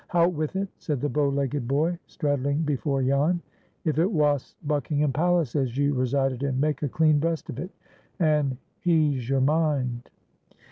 "Hout with it!" said the bow legged boy, straddling before Jan. "If it wos Buckingham Palace as you resided in, make a clean breast of it, and hease your mind."